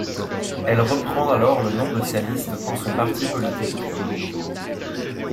Elle reprend alors le nom de sa liste pour son parti politique.